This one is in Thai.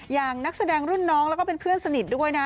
อย่างนักแสดงรุ่นน้องแล้วก็เป็นเพื่อนสนิทด้วยนะ